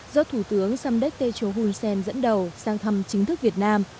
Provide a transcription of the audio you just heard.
do thủ tướng samdek techo hunsen dẫn đầu sang thăm chính thức việt nam